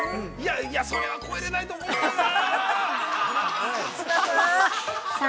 いや、それは超えれないと思うけどな。